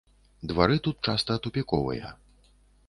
Двары тут часта тупіковыя.